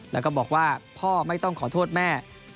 แล้วก็บอกว่าพ่อไม่ต้องขอโทษแม่